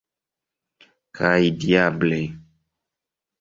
Kaj diable!